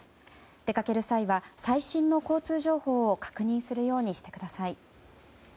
出かける際は、最新の交通情報を確認するようにしてください。